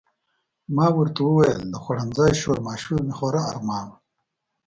ما ورته وویل د خوړنځای شورماشور مې خورا ارمان و.